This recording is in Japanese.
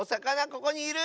ここにいる！